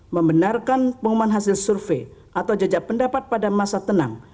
membenarkan pengumuman hasil survei atau jajak pendapat pada masa tenang